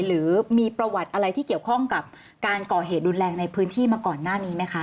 หรือมีประวัติอะไรที่เกี่ยวข้องกับการก่อเหตุรุนแรงในพื้นที่มาก่อนหน้านี้ไหมคะ